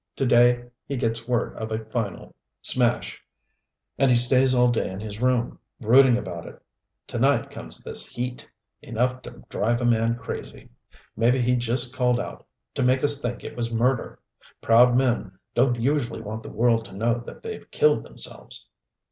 To day he gets word of a final smash, and he stays all day in his room, brooding about it. To night comes this heat enough to drive a man crazy. Maybe he just called out to make us think it was murder. Proud men don't usually want the world to know that they've killed themselves.